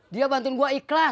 dia bantuin gue ikhlas